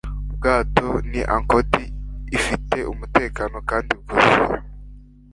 Ubwato ni ankord ifite umutekano kandi bwuzuye